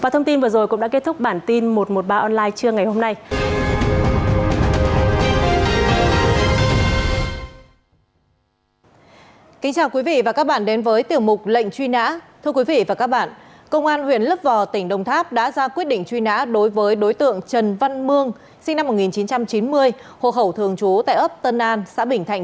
thông tin vừa rồi cũng đã kết thúc bản tin một trăm một mươi ba online trưa ngày hôm nay